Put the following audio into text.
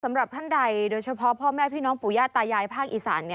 สำหรับท่านใดโดยเฉพาะพ่อแม่พี่น้องปู่ย่าตายายภาคอีสาน